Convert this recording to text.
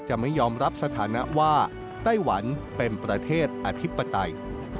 ไม่ยอมรับสถานะว่าไต้หวันเป็นประเทศอธิปไตย